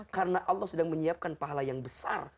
karena allah sudah menyiapkan pahala yang besar